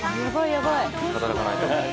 働かないと。